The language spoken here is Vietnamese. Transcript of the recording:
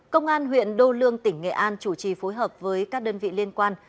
công an huyện đô lương tỉnh nghệ an chủ trì phối hợp với các đơn vị liên quan